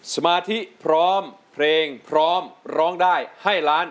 สมาธิพร้อมเพลงพร้อมร้องได้ให้ล้าน